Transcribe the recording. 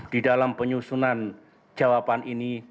di dalam penyusunan jawaban ini